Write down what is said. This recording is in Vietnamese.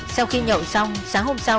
sau khi nhậu xong sáng hôm sau